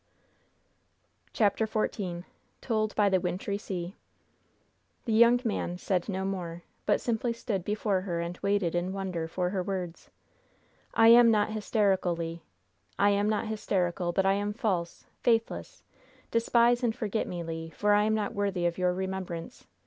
CHAPTER XIV TOLD BY THE WINTRY SEA The young man said no more, but simply stood before her and waited in wonder for her words. "I am not hysterical, Le! I am not hysterical; but I am false faithless! Despise and forget me, Le! for I am not worthy of your remembrance.